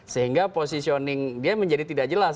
sehingga positioning dia menjadi tidak jelas